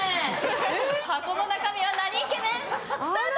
箱の中身はなにイケメン？スタート！